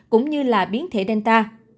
cũng như là biến thể delta